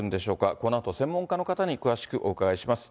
このあと専門家の方に詳しくお伺いします。